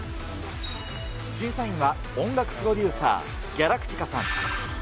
審査員は音楽プロデューサー、ギャラクティカさん。